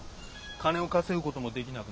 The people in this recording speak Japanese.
金を稼ぐこともできなくなる。